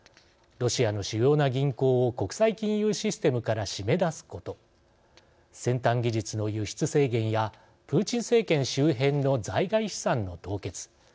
ロシアの主要な銀行を国際金融システムから締め出すこと先端技術の輸出制限やプーチン政権周辺の在外資産の凍結。